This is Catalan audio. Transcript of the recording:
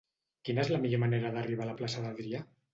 Quina és la millor manera d'arribar a la plaça d'Adrià?